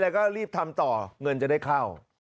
แล้วก็รีบทำต่อเงินจะได้เข้า